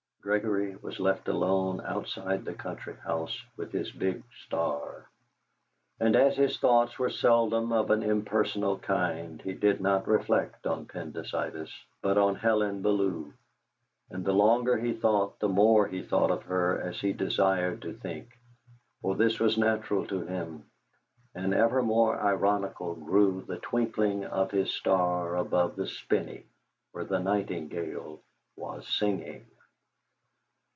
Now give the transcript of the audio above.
Gregory was left alone outside the country house with his big star. And as his thoughts were seldom of an impersonal kind he did not reflect on "Pendycitis," but on Helen Bellew. And the longer he thought the more he thought of her as he desired to think, for this was natural to him; and ever more ironical grew the twinkling of his star above the spinney where the nightingale was singing.